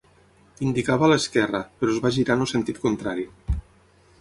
Indicava a l'esquerra, però es va girar en el sentit contrari.